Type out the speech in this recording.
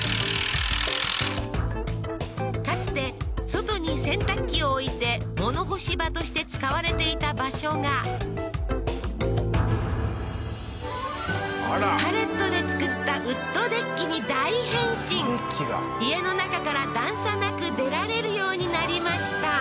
かつて外に洗濯機を置いて物干し場として使われていた場所がパレットで造ったウッドデッキに大変身家の中から段差なく出られるようになりました